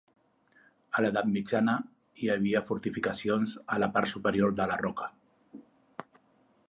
A l'edat mitjana hi havia fortificacions a la part superior de la roca.